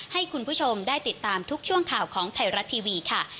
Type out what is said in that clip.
ให้คุณผู้ชมได้ติดตามทุกช่วงข่าวของไทยรัฐทีวีค่ะ